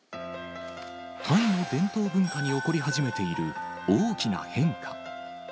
タイの伝統文化に起こり始めている大きな変化。